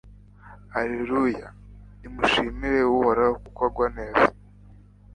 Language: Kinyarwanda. alleluya! nimushimire uhoraho kuko agwa neza